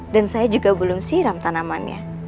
dan saya juga belum siram tanamannya